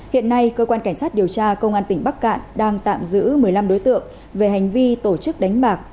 hiện nay cơ quan cảnh sát điều tra công an tỉnh bắc cạn đang tạm giữ một mươi năm đối tượng về hành vi tổ chức đánh bạc